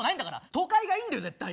都会がいいんだよ絶対に。